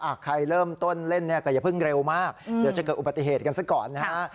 ใครเริ่มต้นเล่นเนี่ยก็อย่าเพิ่งเร็วมากเดี๋ยวจะเกิดอุบัติเหตุกันซะก่อนนะฮะ